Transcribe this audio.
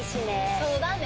そうだね。